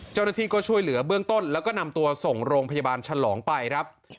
เจ้าหน้าที่ก็ช่วยเหลือเบื้องต้นแล้วก็นำตัวส่งโรงพยาบาลฉลองไปครับ